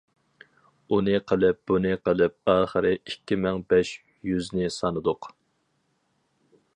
ئۇنى قىلىپ، بۇنى قىلىپ، ئاخىرى ئىككى مىڭ بەش يۈزنى سانىدۇق.